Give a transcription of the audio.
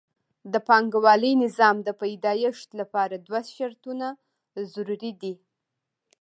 د پانګوالي نظام د پیدایښت لپاره دوه شرطونه ضروري دي